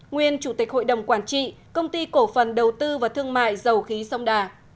nguyên chủ tịch hội đồng quản trị công ty cổ phần đầu tư và thương mại dầu khí sông đà